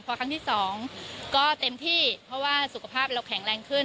พอครั้งที่๒ก็เต็มที่เพราะว่าสุขภาพเราแข็งแรงขึ้น